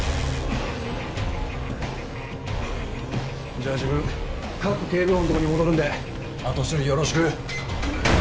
じゃあ自分賀来警部補のところに戻るんで後処理よろしく。